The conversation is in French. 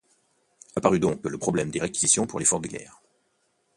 Apparut donc le problème des réquisitions pour l'effort de guerre.